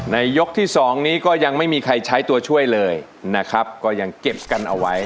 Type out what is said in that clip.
ยกที่สองนี้ก็ยังไม่มีใครใช้ตัวช่วยเลยนะครับก็ยังเก็บกันเอาไว้